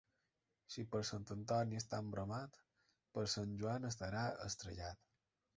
Si per Sant Antoni està embromat, per Sant Joan estarà estrellat.